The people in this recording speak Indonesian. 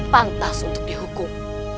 pantas untuk dihukum